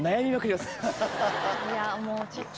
いやもうちょっと。